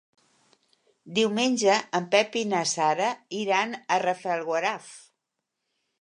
Diumenge en Pep i na Sara iran a Rafelguaraf.